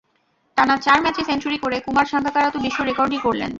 টানা চার ম্যাচে সেঞ্চুরি করে কুমার সাঙ্গাকারা তো বিশ্ব রেকর্ডই করলেন।